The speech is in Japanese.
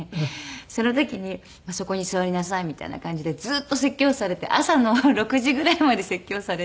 その時にそこに座りなさいみたいな感じでずっと説教をされて朝の６時ぐらいまで説教されて。